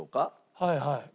はいはい。